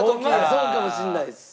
そうかもしれないです。